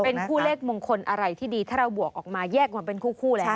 เป็นคู่เลขมงคลอะไรที่ดีถ้าเราบวกออกมาแยกมาเป็นคู่แล้ว